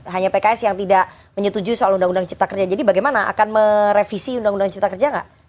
hanya pks yang tidak menyetujui soal undang undang cipta kerja jadi bagaimana akan merevisi undang undang cipta kerja nggak